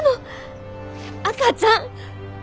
赤ちゃん。